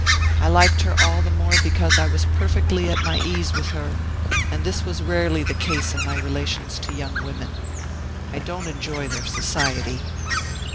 I liked her all the more because I was perfectly at my ease with her, and this was rarely the case in my relations to young women. I don't enjoy their society.